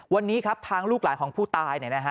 วันนี้ครับทางลูกหลายของผู้ตายเนี่ยนะฮะ